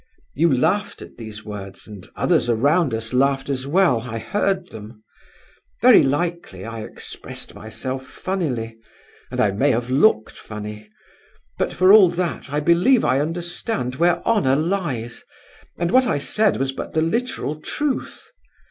You laughed at these words, and others around us laughed as well; I heard them. Very likely I expressed myself funnily, and I may have looked funny, but, for all that, I believe I understand where honour lies, and what I said was but the literal truth.